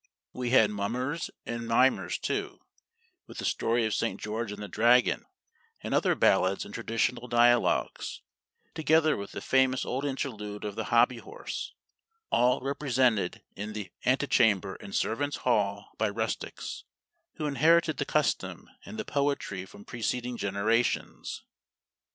We had mummers and mimers too, with the story of St. George and the Dragon, and other ballads and traditional dialogues, together with the famous old interlude of the Hobby Horse, all represented in the antechamber and servants' hall by rustics, who inherited the custom and the poetry from preceding generations.